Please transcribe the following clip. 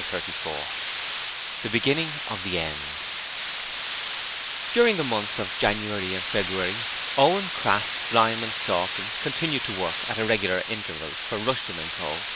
Chapter 34 The Beginning of the End During the months of January and February, Owen, Crass, Slyme and Sawkins continued to work at irregular intervals for Rushton & Co.